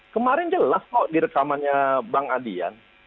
kemarin jelas kok di rekamannya bang adian